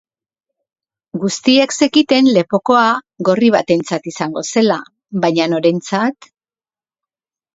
Guztiek zekiten lepokoa gorri batentzat izango zela, baina norentzat?